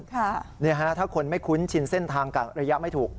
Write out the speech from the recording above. ถ้าคนไม่คุ้นชินเส้นทางกักระยะไม่ถูก